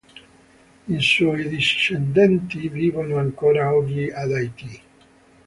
I suoi discendenti vivono ancora oggi ad Haiti.